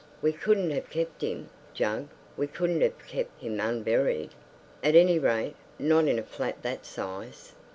"We couldn't have kept him, Jug—we couldn't have kept him unburied. At any rate, not in a flat that size."